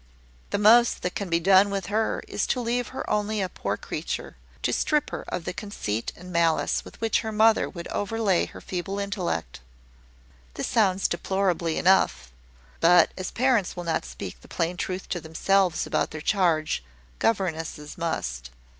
"The most that can be done with her is to leave her only a poor creature to strip her of the conceit and malice with which her mother would overlay her feeble intellect. This sounds deplorably enough; but, as parents will not speak the plain truth to themselves about their charge, governesses must.